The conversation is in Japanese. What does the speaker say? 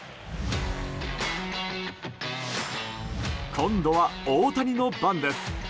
今度は大谷の番です。